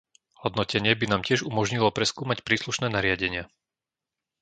Hodnotenie by nám tiež umožnilo preskúmať príslušné nariadenia.